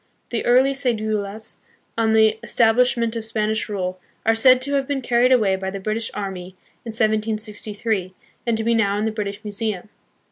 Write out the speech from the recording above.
The early ce"dulas, on the establishment of Spanish rule, are said to have been carried away by the British army in 1763, and to be now in the British Museum.